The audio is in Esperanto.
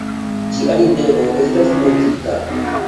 Ĉia ideo estas notita.